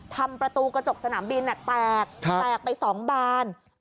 ทำประตูกระจกสนามบินแตกแตกไป๒บาน